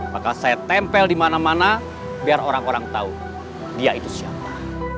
bakal saya tempel dimana mana biar orang orang tau dia itu siapa